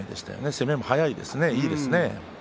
攻めも速いですね、いいですね。